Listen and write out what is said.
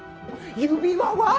指輪は！？